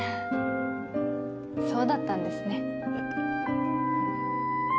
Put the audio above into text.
そうだったんですね